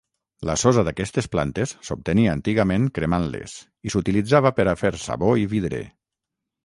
La sosa d'aquestes plantes s'obtenia antigament cremant-les i s'utilitzava per a fer sabó i vidre.